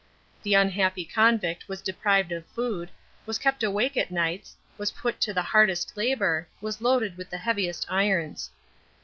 The unhappy convict was deprived of food, was kept awake at nights, was put to the hardest labour, was loaded with the heaviest irons.